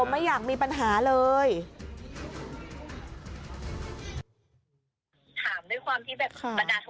ขอถามด้วยความที่แบบประกาศโทรศัพท์